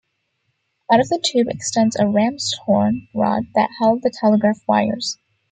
Out of the tube extends a "ramshorn" rod that held the telegraph wires.